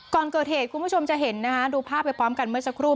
ก่อนเกิดเหตุคุณผู้ชมจะเห็นนะคะดูภาพไปพร้อมกันเมื่อสักครู่